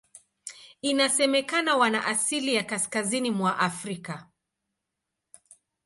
Inasemekana wana asili ya Kaskazini mwa Afrika.